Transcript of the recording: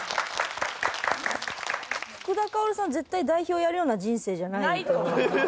福田薫さん絶対代表やるような人生じゃないと思う。